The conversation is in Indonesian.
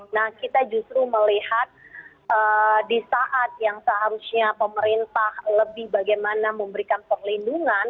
nah kita justru melihat di saat yang seharusnya pemerintah lebih bagaimana memberikan perlindungan